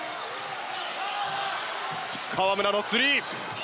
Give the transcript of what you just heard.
河村のスリー。